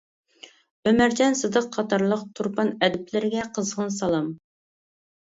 ئۆمەرجان سىدىق قاتارلىق تۇرپان ئەدىبلىرىگە قىزغىن سالام.